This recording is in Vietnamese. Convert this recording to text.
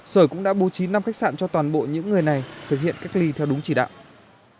sở cũng đã bố trí năm khách sạn cho toàn bộ những người này thực hiện cách ly theo đúng chỉ đạo